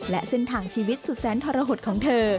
และเส้นทางชีวิตสุดแสนทรหดของเธอ